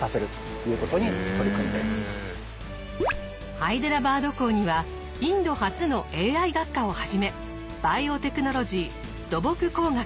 ハイデラバード校にはインド初のＡＩ学科をはじめバイオテクノロジー土木工学